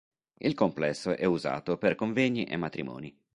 Il complesso è usato per convegni e matrimoni.